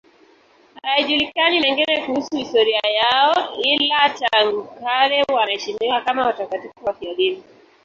Hayajulikani mengine kuhusu historia yao, ila tangu kale wanaheshimiwa kama watakatifu wafiadini.